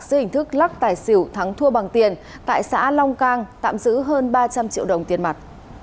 dưới hình thức lắc tài xỉu thắng thua bằng tiền tại xã long cang tạm giữ hơn ba trăm linh triệu đồng tiền mặt